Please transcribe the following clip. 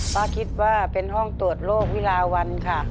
ป้าคิดว่าเป็นห้องตรวจโรควิลาวันค่ะ